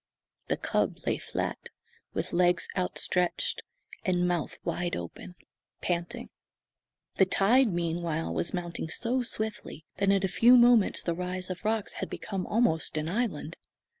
The cub lay flat, with legs outstretched and mouth wide open, panting. The tide, meanwhile, was mounting so swiftly that in a few moments the rise of rocks had become almost an island.